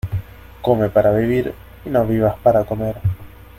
Come para vivir y no vivas para comer.